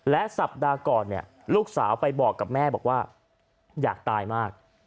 และสัปดาห์ก่อนเนี่ยลูกสาวไปบอกกับแม่บอกว่าอยากตายมาก